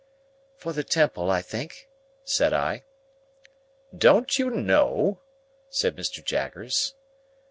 "For the Temple, I think," said I. "Don't you know?" said Mr. Jaggers.